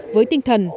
với tinh thần